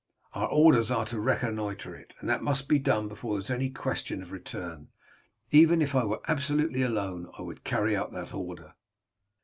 Our orders are to reconnoitre it and that must be done before there is any question of return. Even if I were absolutely alone, I would carry out that order."